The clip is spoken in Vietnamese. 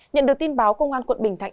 nhận được tin báo công an quận bình thạnh